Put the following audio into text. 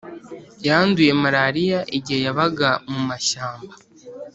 yanduye malariya igihe yabaga mu mashyamba.